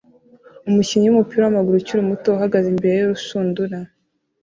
Umukinnyi wumupira wamaguru ukiri muto uhagaze imbere yurushundura